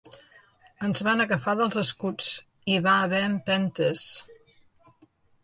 Ens van agafar dels escuts, hi va haver empentes…